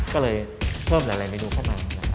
ก็เลยเพิ่มหลายเมนูเข้ามา